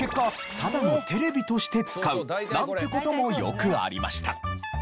ただのテレビとして使うなんて事もよくありました。